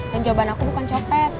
dan jawaban aku bukan copet